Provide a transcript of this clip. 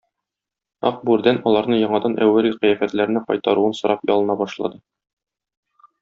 Ак бүредән аларны яңадан әүвәлге кыяфәтләренә кайтаруын сорап ялына башлады.